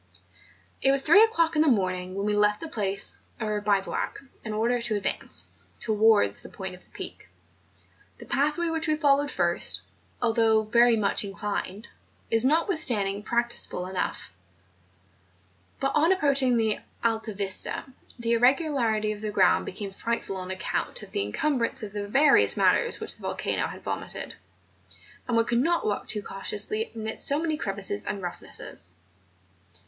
It was three o'clock in the morning when we left the place of our bivouac in order to advance THE PEAK OF TENERIFFE. 267 towards the point of the Peak. The pathway which we followed first, although very much inclined, is notwithstanding practicable enough; but on ap¬ proaching the Altavista, the irregularity of the ground became frightful on account of the incum¬ brance of the various matters which the volcano had vomited; and one could not walk too cautiously amidst so many crevasses and roughnesses.